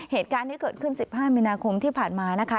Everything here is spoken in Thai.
เหตุการณ์ที่เกิดขึ้น๑๕มินาคมที่ผ่านมานะคะ